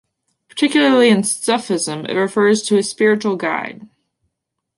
Particularly in Sufism it refers to a spiritual guide.